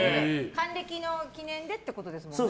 還暦の記念でってことですもんね。